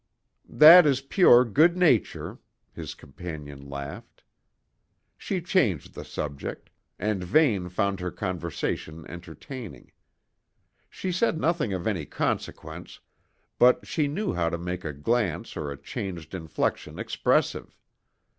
"That is pure good nature," his companion laughed. She changed the subject, and Vane found her conversation entertaining. She said nothing of any consequence, but she knew how to make a glance or a changed inflection expressive.